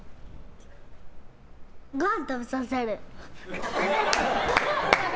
ごはん食べさせる！